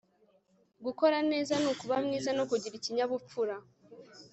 gukora neza ni ukuba mwiza no kugira ikinyabupfura